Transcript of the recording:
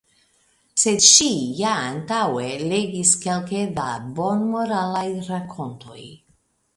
Sed ŝi ja antaŭe legis kelke da bonmoralaj rakontoj.